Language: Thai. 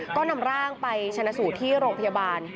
ก็นำร่างไปชนะสูตรที่โรงพยาบาล